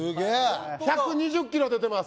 １２０キロ出てます。